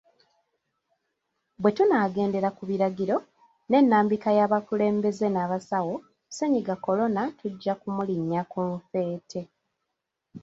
Bwe tunaagendera ku biragiro n'ennambika y'abakulembeze n'abasawo, ssennyiga kolona tujja kumulinnya ku nfeete.